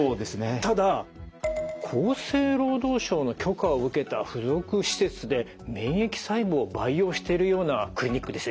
ただ厚生労働省の許可を受けた付属施設で免疫細胞を培養してるようなクリニックですよ。